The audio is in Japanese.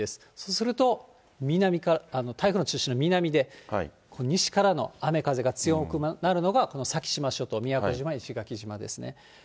すると、台風の中心の南で、西からの雨風が強くなるのがこの先島諸島、宮古島、石垣島ですね。